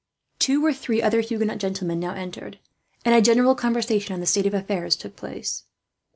Two or three other Huguenot gentlemen now entered, and a general conversation on the state of affairs took place.